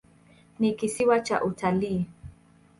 Ni kisiwa cha utalii.